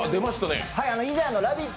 以前「ラヴィット！」！